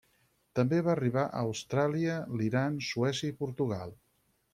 També va arribar a Austràlia, l'Iran, Suècia i Portugal.